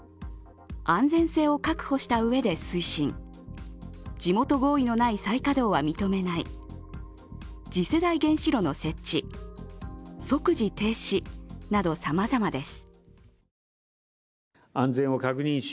安全性を確保したうえで推進、地元合意のない再稼働は認めない、次世代原子炉の設置、即時停止などさまざまです。